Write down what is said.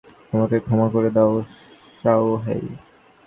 আমাকে ক্ষমা করে দাও, শাওহেই।